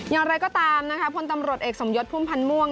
อย่างไรก็ตามนะคะพลตำรวจเอกสมยศพุ่มพันธ์ม่วง